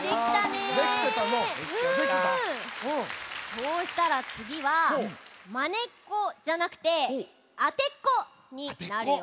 そうしたらつぎはまねっこじゃなくてあてっこになるよ。